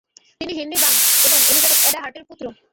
তিনি Henry Brown এবং Elizabeth Ada হার্টের পুত্র।